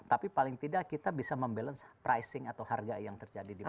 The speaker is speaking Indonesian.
tapi paling tidak kita bisa membalance pricing atau harga yang terjadi di masyarakat